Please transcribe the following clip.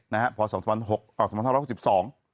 นะครับพศ๒๖๖๒